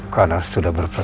karena sudah berperang